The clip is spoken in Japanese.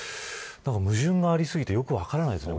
矛盾がありすぎてよく分からない。